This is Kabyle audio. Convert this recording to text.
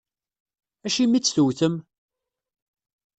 Acimi i tt-tewwtem?